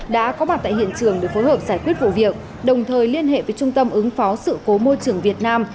đã có mặt tại hiện trường để phối hợp giải quyết vụ việc đồng thời liên hệ với trung tâm ứng phó sự cố môi trường việt nam